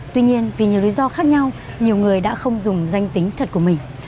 tuy nhiên vì nhiều lý do khác nhau nhiều người đã không dùng danh tính thật của mình